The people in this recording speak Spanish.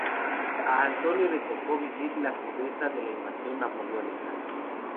A Antonio le tocó vivir la crudeza de la invasión napoleónica.